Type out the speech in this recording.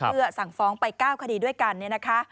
เพื่อสั่งฟ้องไป๙คดีด้วยกันเนี่ยนะคะ